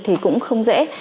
thì cũng không dễ